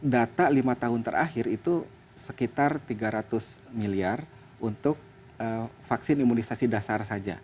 data lima tahun terakhir itu sekitar tiga ratus miliar untuk vaksin imunisasi dasar saja